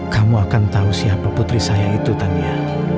kamu akan tahu siapa putri saya itu tania